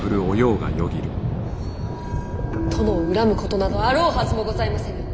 殿を恨むことなどあろうはずもございませぬ。